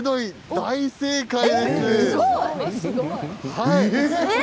大正解です。